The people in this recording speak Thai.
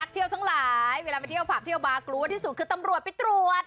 เที่ยวทั้งหลายเวลาไปเที่ยวผับเที่ยวบาร์กลัวที่สุดคือตำรวจไปตรวจ